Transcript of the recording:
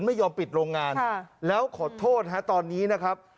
ไม่ยอมปิดโรงงานแล้วขอโทษฮะตอนนี้นะครับ